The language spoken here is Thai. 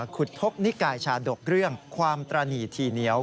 ขุดพบนิกายชาดกเรื่องความตระหนีทีเหนียว